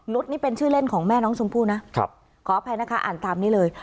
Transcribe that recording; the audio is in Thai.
นี่เป็นชื่อเล่นของแม่น้องชมพู่นะขออภัยนะคะอ่านตามนี้เลย